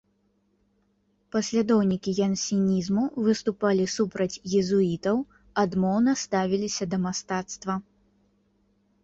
Паслядоўнікі янсенізму выступалі супраць езуітаў, адмоўна ставіліся да мастацтва.